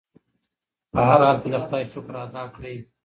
په هر حال کې د خدای شکر ادا کړئ.